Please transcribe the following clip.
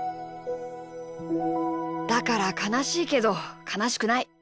だからかなしいけどかなしくない。